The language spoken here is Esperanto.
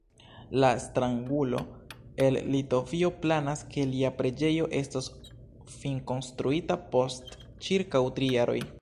La strangulo el Litovio planas, ke lia preĝejo estos finkonstruita post ĉirkaŭ tri jaroj.